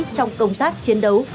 trong công tác chiến đấu